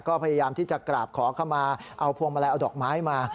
ก็พยายามที่จะกราบขอเข้ามาเอาพวงมาลัยเอาดอกไม้มา